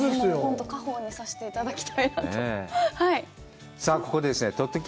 本当に家宝にさせていただきたいなと。